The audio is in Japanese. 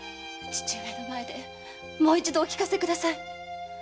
父上の前でもう一度お聞かせください。